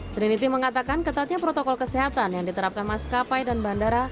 trinity mengatakan ketatnya protokol kesehatan yang diterapkan maskapai dan bandara